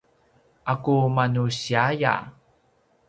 ’aku manusiaya